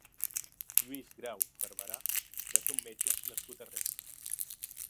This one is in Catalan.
Lluís Grau Barberà va ser un metge nascut a Reus.